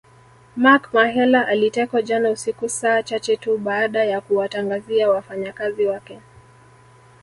Mark Mahela alitekwa jana usiku saa chache tu baada ya kuwatangazia wafanyakazi wake